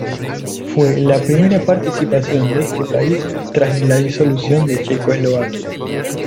Fue la primera participación de este país tras la disolución de Checoslovaquia.